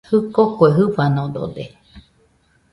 Jɨko kue jɨfanodode